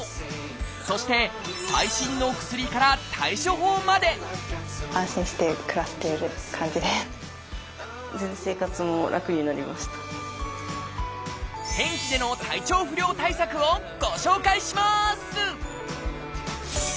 そして最新の薬から対処法まで天気での体調不良対策をご紹介します！